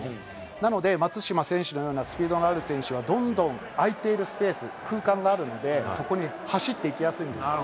なので、松島選手のようなスピードのある選手は、どんどん空いてるスペース・空間があるので、そこに走っていきやすいんです。